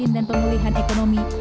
dan pemulihan ekonomi